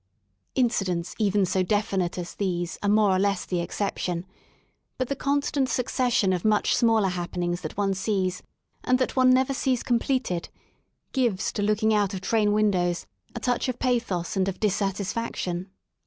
Incidents even so definite as these are more or less the exception, but the constant succession of much smaller happenings that one sees, and that one never sees completed, gives to looking out of train windows a touch of pathos and of dissatisfaction.